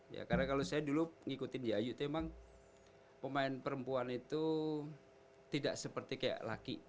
ya karena kalau saya dulu ngikutin yayut memang pemain perempuan itu tidak seperti kayak laki